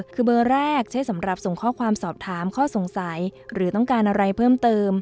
คือเบอร์แรกใช้สำหรับส่งข้อความสอบถามข้อสงสัยหรือต้องการอะไรเพิ่มเติม